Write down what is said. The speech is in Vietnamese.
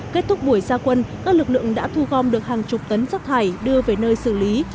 kết thúc buổi xa quân các lực lượng đã thu gom được hàng chục tấn rác thải đưa về nơi xử lý